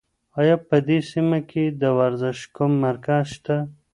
ایا په دې سیمه کې د ورزش کوم مرکز شته؟